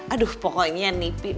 aduh pokoknya nih